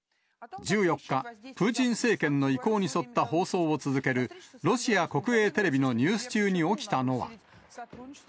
１４日、プーチン政権の意向に沿った放送を続ける、ロシア国営テレビのニュース中に起きたのは。